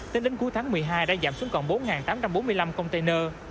tính đến cuối tháng một mươi hai đã giảm xuống còn bốn tám trăm bốn mươi năm container